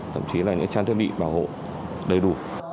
thậm chí là những trang thiết bị bảo hộ đầy đủ